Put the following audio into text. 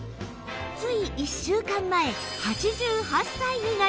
つい１週間前８８歳になりました